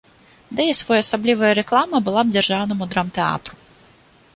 Ды і своеасаблівая рэклама была б дзяржаўнаму драмтэатру.